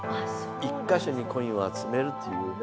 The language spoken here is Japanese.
１か所にコインを集めるっていうね